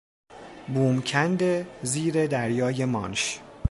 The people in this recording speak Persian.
بومکند زیر دریای مانش